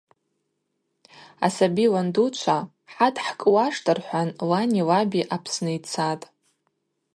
Асаби ландучва – хӏа дхӏкӏуаштӏ – рхӏван лани лаби Апсны йцатӏ.